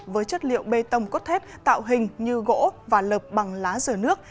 với chất liệu bê tông cốt thép tạo hình như gỗ và lợp bằng lá dừa nước